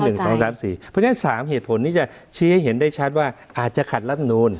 เพราะฉะนั้น๓เหตุผลนี้จะชี้ให้เห็นได้ชัดว่าอาจจะขัดลำนูล